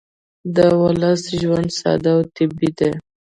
د ولس ژوند ساده او طبیعي دی